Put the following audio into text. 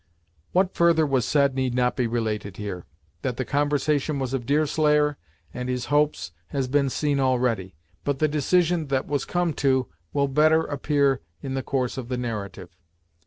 What further was said need not be related here. That the conversation was of Deerslayer, and his hopes, has been seen already, but the decision that was come to will better appear in the course of the narrative.